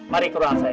mari ke ruangan saya